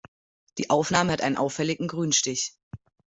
Die Aufnahme hat einen auffälligen Grünstich.